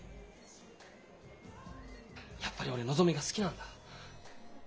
やっぱり俺のぞみが好きなんだ。